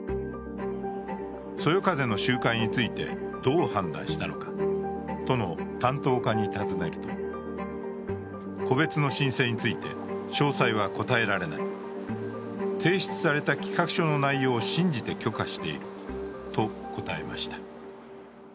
そよ風の周回についてどう判断したのか都の担当課に尋ねると個別の申請について詳細は答えられない、提出された企画書の内容を信じて許可していると答えました。